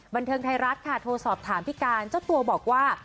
บันเทิงไทยรัฐค่ะโทรสอบถามพี่การเจ้าตัวบอกว่า